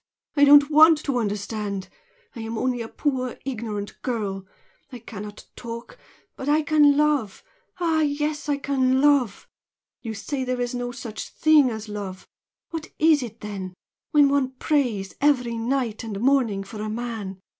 I don't WANT to understand! I am only a poor, ignorant girl. I cannot talk but I can love! Ah yes, I can love! You say there is no such thing as love! What is it then, when one prays every night and morning for a man?